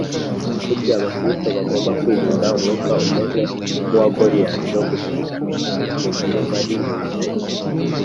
Kuki Abakristo bagomba kwirinda umwuka umeze nk’uwa Goliyati wo gupiganwa mu gihe bari mu rusengero